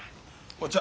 お茶。